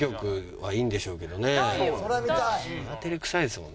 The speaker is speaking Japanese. はい。